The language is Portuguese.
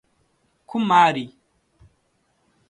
Cumari